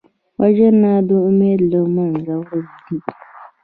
وژنه د امید له منځه وړل دي